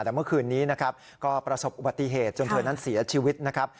แต่เมื่อคืนนี้นะครับก็ประสบอุบัติเหตุจนเธอนั้นเสียชีวิตนะครับ